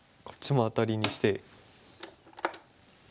こっちもアタリにして。